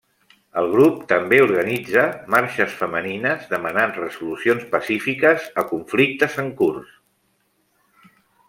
El grup també organitza marxes femenines, demanant resolucions pacífiques a conflictes en curs.